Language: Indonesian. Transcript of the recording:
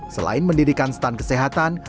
selain mendirikan stun kesehatan